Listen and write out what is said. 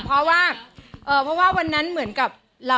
เพราะว่าวันนั้นเหมือนกับ